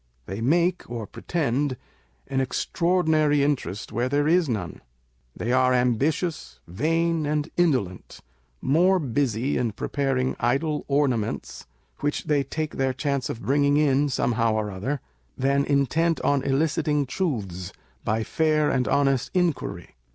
They make, or pretend, an extraordinary interest where there is none. They are ambitious, vain, and indolent â€" more busy in preparing idle ornaments, which they take their chance of bringing in somehow or other, than intent on eliciting truths by fair and honest inquiry.